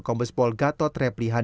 kompes polgato treplihan